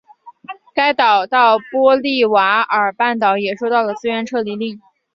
该岛到波利瓦尔半岛也收到了自愿撤离令。